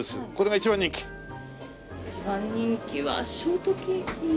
一番人気はショートケーキですね。